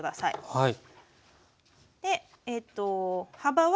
はい。